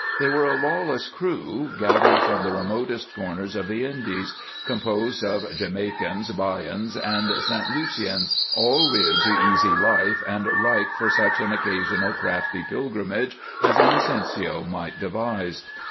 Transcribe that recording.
They were a lawless crew, gathered from the remotest corners of the Indies, composed of Jamaicans, 'Bajans, and Saint Lucians, all reared to easy life and ripe for such an occasional crafty pilgrimage as Inocencio might devise.